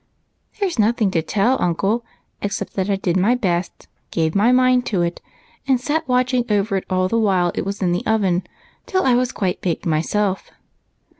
" There 's nothing to tell, uncle, except that I did my best, gave my mind to it, and sat watching over it all the while it was in the oven till I was quite baked myself.